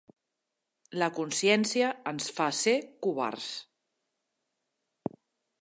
La consciencia ens fa ser covards